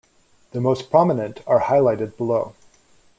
The most prominent are highlighted below.